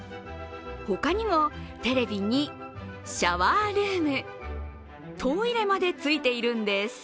他にもテレビに、シャワールームトイレまでついているんです。